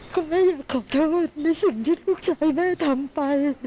คุณแม่อยากขอโทษในสิ่งที่ลูกชายแม่ทำไป